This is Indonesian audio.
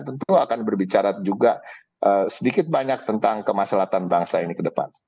tentu akan berbicara juga sedikit banyak tentang kemaslahan bangsa ini ke depan